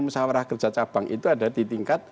musawarah kerja cabang itu ada di tingkat